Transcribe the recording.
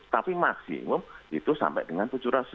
tapi maksimum itu sampai dengan tujuh ratus lima puluh